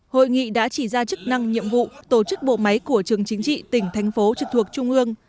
hội nghị đã chỉ ra chức năng nhiệm vụ tổ chức bộ máy của trường chính trị tỉnh thành phố trực thuộc trung ương